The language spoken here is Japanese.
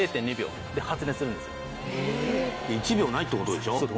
１秒ないって事でしょ？